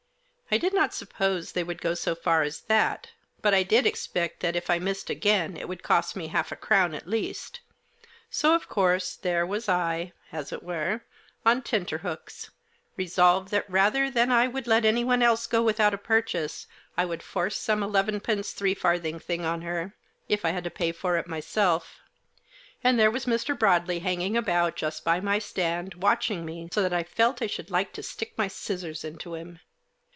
I dicj not suppose they would go so far as that, but I did expect that, if I missed again, it would cost me half a crown, at least. So, of course, there was I, as it were, on tenterhooks, resolved that rather than I would let anyone else go without a purchase I would force some elevenpence three farthing thing on her ; if I had to pay for it myself. FIRANDOLO'S. And there was Mr. Broadley hanging about just by my stand, watching me so that I felt I should like to stick my scissors into him.